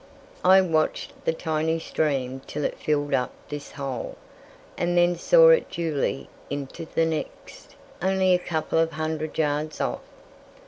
I watched the tiny stream till it filled up this hole, and then saw it duly into the next, only a couple of hundred yards off.